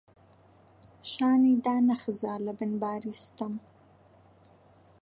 شانی دانەخزا لەبن باری ستەم،